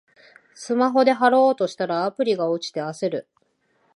スマホで払おうとしたら、アプリが落ちて焦る